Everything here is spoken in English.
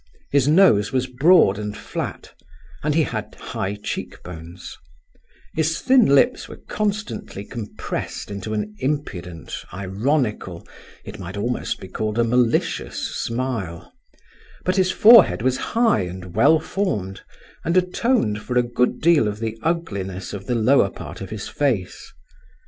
His nose was broad and flat, and he had high cheek bones; his thin lips were constantly compressed into an impudent, ironical—it might almost be called a malicious—smile; but his forehead was high and well formed, and atoned for a good deal of the ugliness of the lower part of his face.